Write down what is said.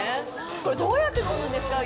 これ、どうやって飲むんですか。